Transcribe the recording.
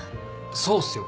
そうっすよ。